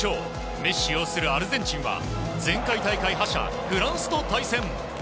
メッシ擁するアルゼンチンは前回大会覇者フランスと対戦。